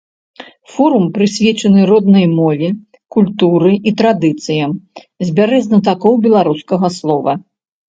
Форум, прысвечаны роднай мове, культуры і традыцыям, збярэ знатакоў беларускага слова.